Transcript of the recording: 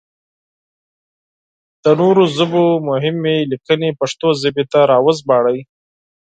له نورو ژبو مهمې ليکنې پښتو ژبې ته راوژباړئ!